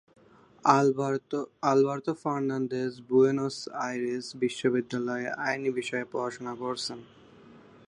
Alberto Fernandez Buenos Aires বিশ্ববিদ্যালয়ে আইন বিষয়ে পড়াশোনা করেছেন।